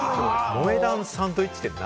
萌え断サンドイッチって何？